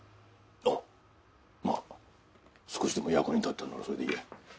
ああまあ少しでも役になったならそれでいいや。